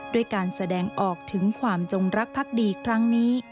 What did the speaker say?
ด้วยการแสดงออกถึงความจงรักพักดีครั้งนี้